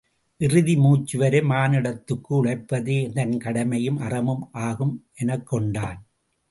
இறுதி மூச்சுவரை மானுடத்துக்கு உழைப்பதே தன் கடமையும் அறமும் ஆகும் எனக்கொண்டான்.